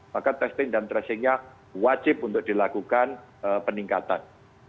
maka testing dan tracingnya wajib untuk dilakukan peningkatan